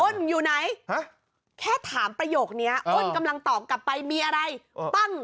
อยู่ไหนแค่ถามประโยคนี้อ้นกำลังตอบกลับไปมีอะไรปั้ง